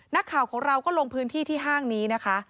นักข่าวของเราก็ลงพื้นที่ที่ห้างนี้นะคะ